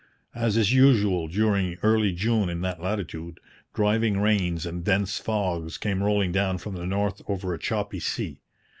As is usual during early June in that latitude, driving rains and dense fogs came rolling down from the north over a choppy sea.